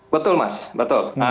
betul mas betul